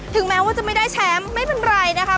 แม้ว่าจะไม่ได้แชมป์ไม่เป็นไรนะคะ